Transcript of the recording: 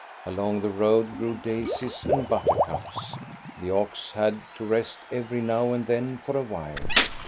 Along the road grew daisies and buttercups. The ox had to rest every now and then for a while.